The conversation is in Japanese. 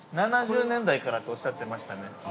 ◆７０年代からとおっしゃってましたね。